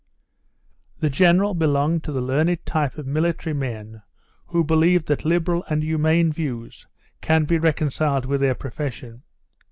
The General belonged to the learned type of military men who believed that liberal and humane views can be reconciled with their profession.